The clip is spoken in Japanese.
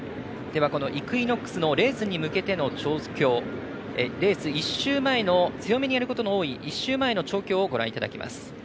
イクイノックスのレースに向けての調教レース１週前にやることの多い１週前の調教をご覧いただきます。